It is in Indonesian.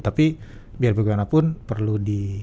tapi biar bagaimanapun perlu di